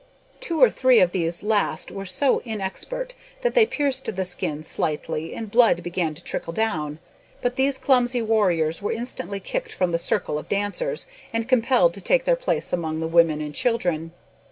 Two or three of these last were so inexpert that they pricked the skin slightly, and blood began to trickle down, but these clumsy warriors were instantly kicked from the circle of dancers, and compelled to take their place among the women and children.